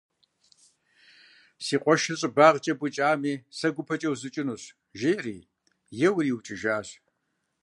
Си къуэшыр щӀыбагъкӀэ букӀами сэ гупэкӀэ узукӀынущ, жери, еуэри иукӀыжащ.